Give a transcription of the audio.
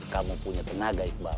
kamu punya tenaga iqbal